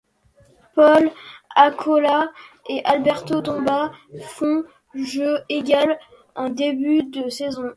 Paul Accola et Alberto Tomba font jeu égal en début de saison.